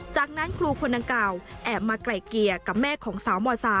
จากนั้นครูคนดังกล่าวแอบมาไกลเกลี่ยกับแม่ของสาวม๓